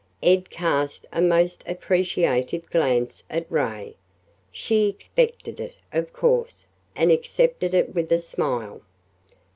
Ed cast a most appreciative glance at Ray. She expected it, of course, and accepted it with a smile.